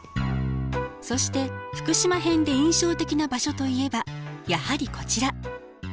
そして福島編で印象的な場所といえばやはりこちら。